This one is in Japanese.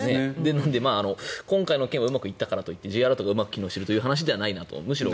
なので今回の件はうまくいったかなといってＪアラートがうまく機能しているという話ではないと。